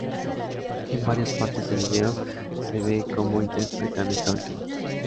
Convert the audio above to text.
En varias partes del vídeo se ve cómo interpretan esta última.